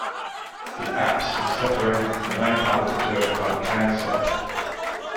The apse is separated from the main part of the church by the transept.